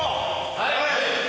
はい！